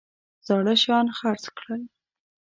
زاړه شیان خرڅ کړل.